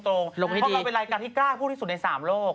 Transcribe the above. เพราะเราเป็นรายการที่กล้าพูดที่สุดใน๓โลก